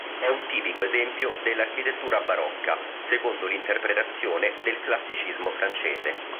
È un tipico esempio dell'Architettura barocca secondo l'interpretazione del "Classicismo" francese.